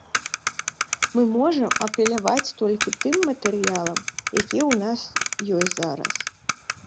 Мы можам апеляваць толькі тым матэрыялам, які ў нас ёсць зараз.